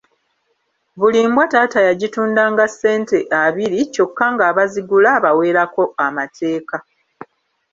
Buli mbwa taata yagitundanga ssente abiri kyokka ng’abazigula abaweerako amateeka.